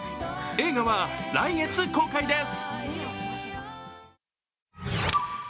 映画は来月公開です。